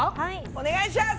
お願いします！